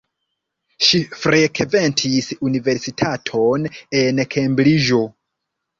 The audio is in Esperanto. Ŝi frekventis universitaton en Kembriĝo.